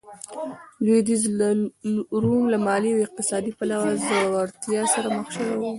لوېدیځ روم له مالي او اقتصادي پلوه ځوړتیا سره مخ شوی و.